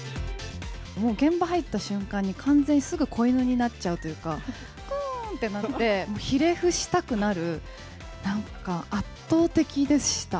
もう現場入った瞬間に、完全にすぐ子犬になっちゃうというか、くーんってなって、ひれ伏したくなる、なんか、圧倒的でした、